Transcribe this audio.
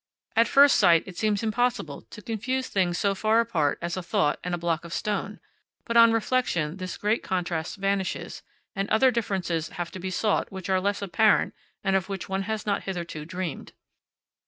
At first sight, it seems impossible to confuse things so far apart as a thought and a block of stone; but on reflection this great contrast vanishes, and other differences have to be sought which are less apparent and of which one has not hitherto dreamed.